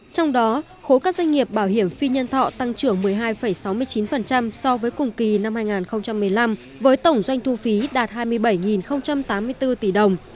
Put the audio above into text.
trong đó khối các doanh nghiệp bảo hiểm phi nhân thọ tăng trưởng một mươi hai sáu mươi chín so với cùng kỳ năm hai nghìn một mươi năm với tổng doanh thu phí đạt hai mươi bảy tám mươi bốn tỷ đồng